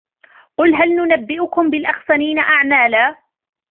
قل هل ننبئكم بالأخسرين أعمالا